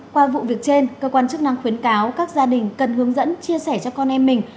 qua vụ việc trên cơ quan chức năng khuyến cáo các gia đình cần hướng dẫn chia sẻ cho con em mình